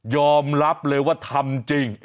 อมรับเลยว่าทำจริง